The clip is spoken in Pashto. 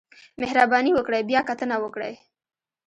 مهرباني وکړئ بیاکتنه وکړئ